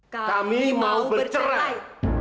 kami mau bercerai